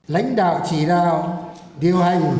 lãnh đạo chỉ đạo điều hành